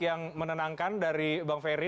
yang menenangkan dari bang ferry